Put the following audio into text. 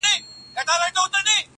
زموږ پاچا دی موږ په ټولو دی منلی-